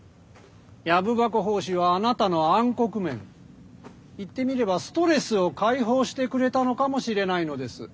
「藪箱法師」はあなたの「暗黒面」言ってみればストレスを解放してくれたのかもしれないのです。